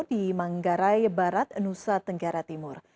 di manggarai barat nusa tenggara timur